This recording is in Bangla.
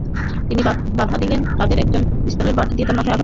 তিনি বাধা দিলে তাদের একজন পিস্তলের বাঁট দিয়ে তাঁর মাথায় আঘাত করে।